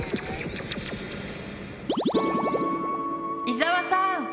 伊沢さん。